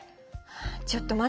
ちょっと待って！